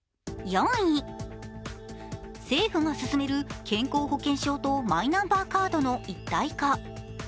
政府が進める健康保険証とマイナンバーカードの一体化。